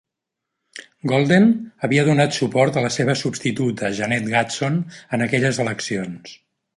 Golden havia donat suport a la seva substituta Jeannette Gadson en aquelles eleccions.